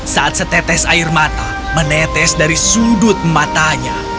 saat setetes air mata menetes dari sudut matanya